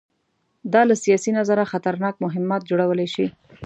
دا له سیاسي نظره خطرناک مهمات جوړولی شي.